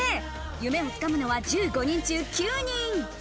夢をつかむのは１５人中、９人。